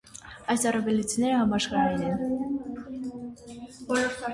Այս առավելությունները համաշխարհային են։